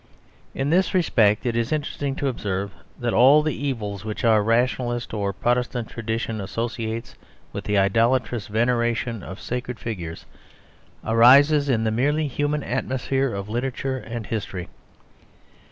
In this respect it is interesting to observe that all the evils which our Rationalist or Protestant tradition associates with the idolatrous veneration of sacred figures arises in the merely human atmosphere of literature and history.